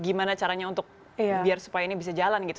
gimana caranya untuk biar supaya ini bisa jalan gitu